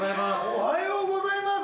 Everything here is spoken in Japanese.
おはようございます。